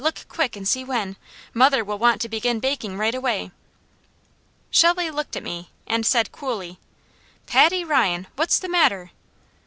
Look quick, and see when! Mother will want to begin baking right away!" Shelley looked at me, and said coolly: "Paddy Ryan! What's the matter?"